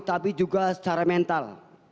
tapi juga secara mental